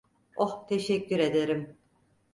Oh, teşekkür ederim.